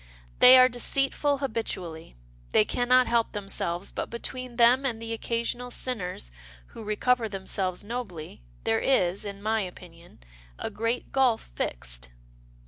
They are de ceitful habitually. They can not help themselves, but between them and the occasional sinners who recover themselves nobly there is, in my opinion, a great gulf fixed."